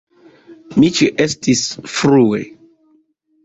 Mi ĉeestis frue.